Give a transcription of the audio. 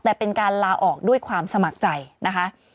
แต่เป็นการลาออกด้วยความสมัครใจนะคะ